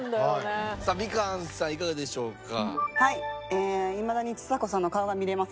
さあみかんさんいかがでしょうか？